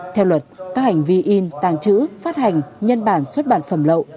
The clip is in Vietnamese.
theo luật các hành vi in tàng trữ phát hành nhân bản xuất bản phẩm lậu